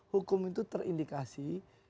hukum itu terindikasi